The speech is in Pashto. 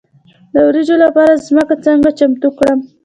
د وریجو لپاره ځمکه څنګه چمتو کړم؟